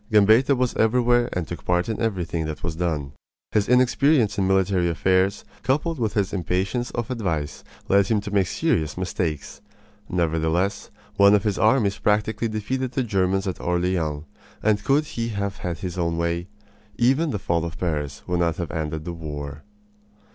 Gambetta was everywhere and took part in everything that was done. His inexperience in military affairs, coupled with his impatience of advice, led him to make serious mistakes. Nevertheless, one of his armies practically defeated the Germans at Orleans; and could he have had his own way, even the fall of Paris would not have ended the war.